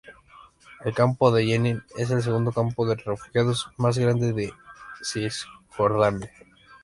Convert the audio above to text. El campo de Yenín es el segundo campo de refugiados más grande de Cisjordania.